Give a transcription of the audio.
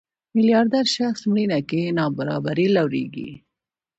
میلیاردر شخص مړینه کې نابرابري لوړېږي.